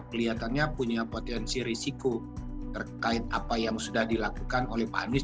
kelihatannya punya potensi risiko terkait apa yang sudah dilakukan oleh pak anies